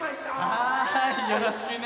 はいよろしくね。